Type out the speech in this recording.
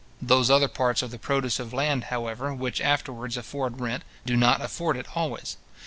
Those other parts of the produce of land, however, which afterwards afford rent, do not afford it always.